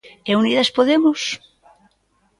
E Unidas Podemos?